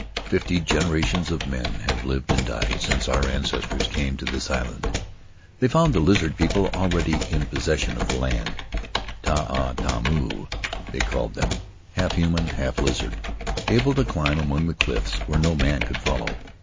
Fifty generations of men have lived and died since our ancestors came to this island; they found the Lizard People already in possession of the land. Ta 'a ta Moo, they called them — half human, half lizard; able to climb among the cliffs where no man could follow.